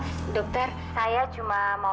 lo tunggu aja